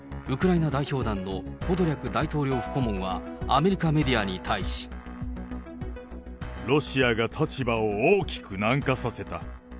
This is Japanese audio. ウクライナ代表団のポドリャク大統領府顧問はアメリカメディアに対し。ロシアが立場を大きく軟化させた。